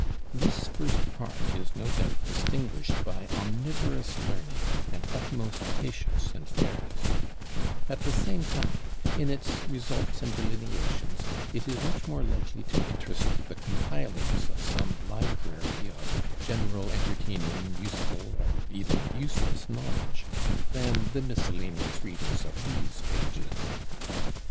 This First Part is, no doubt, distinguished by omnivorous learning, and utmost patience and fairness: at the same time, in its results and delineations, it is much more likely to interest the Compilers of some Library of General, Entertaining, Useful, or even Useless Knowledge than the miscellaneous readers of these pages.